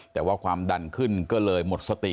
แต่ว่าความดันขึ้นก็เลยหมดสติ